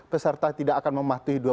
peserta tidak akan mematuhi